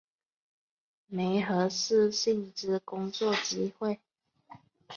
媒合适性之工作机会